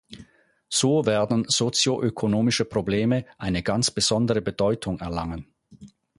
So werden sozioökonomische Probleme eine ganz besondere Bedeutung erlangen.